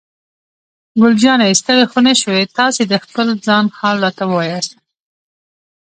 ګل جانې: ستړی خو نه شوې؟ تاسې د خپل ځان حال راته ووایاست.